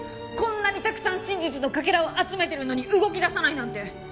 こんなにたくさん真実のかけらを集めてるのに動き出さないなんて。